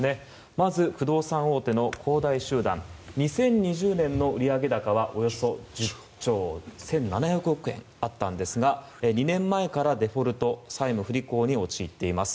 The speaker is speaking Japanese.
まず、不動産大手の恒大集団２０２０年の売上高はおよそ１０兆１７００億円あったんですが２年前からデフォルト債務不履行に陥っています。